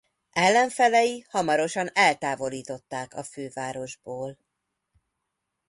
Ellenfelei hamarosan eltávolították a fővárosból.